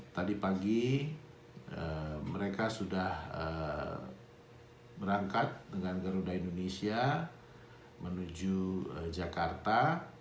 tadi pagi mereka sudah berangkat dengan garuda indonesia menuju jakarta